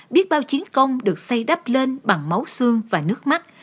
biết bao chiến công được xây đắp lên bằng máu xương và nước mắt